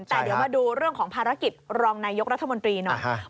แต่เดี๋ยวมาดูเรื่องของภารกิจรองนายกรัฐมนตรีหน่อย